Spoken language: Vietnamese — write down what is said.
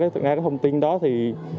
sau khi nghe cái thông tin đó thì